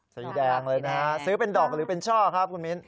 สีแดงเลยนะฮะซื้อเป็นดอกหรือเป็นช่อครับคุณมิ้น